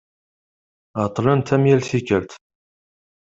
Ԑeṭṭlent, am yal tikelt.